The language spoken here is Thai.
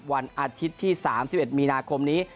วันอาทิตย์ที่๓๑มีนาคมนี้